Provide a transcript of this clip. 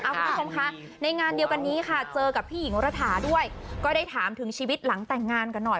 คุณผู้ชมคะในงานเดียวกันนี้ค่ะเจอกับพี่หญิงระถาด้วยก็ได้ถามถึงชีวิตหลังแต่งงานกันหน่อย